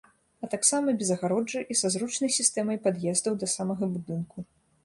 А таксама без агароджы і са зручнай сістэмай пад'ездаў да самага будынку.